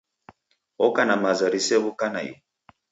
Oka na maza risew'uka naighu.